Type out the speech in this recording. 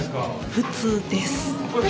普通です。